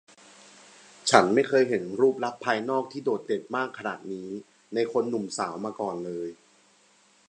ฉันไม่เคยเห็นรูปลักษณ์ภายนอกที่โดดเด่นมากขนาดนี้ในคนหนุ่มสาวมาก่อนเลย